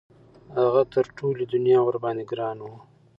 هغه تر ټولې دنیا ورباندې ګران وو.